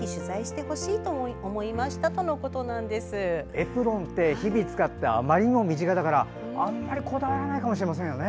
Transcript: エプロンって日々使ってあまりにも身近だからあまりこだわらないかもしれませんよね。